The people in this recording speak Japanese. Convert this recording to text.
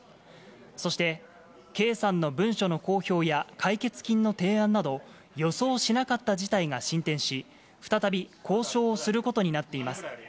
そして、圭さんの文書の公表や解決金の提案など、予想しなかった事態が進展し、再び交渉をすることになっています。